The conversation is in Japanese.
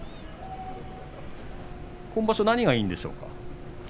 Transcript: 今場所、何がいいんでしょうか。